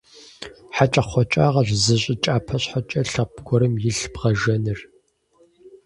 ХьэкӀэкхъуэкӀагъэщ зы щӀы кӀапэ щхьэкӀэ лъэпкъ гуэрым илъ бгъэжэныр.